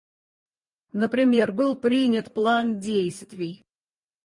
Например, был принят План действий.